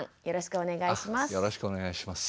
よろしくお願いします。